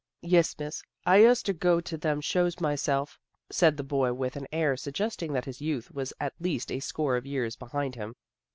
" Yes, Miss. I uster go to them shows my self," said the boy with an air suggesting that his youth was at least a score of years behind him.